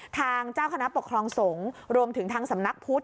ทางเจ้าคณะปกครองสงฆ์รวมถึงทางสำนักพุทธ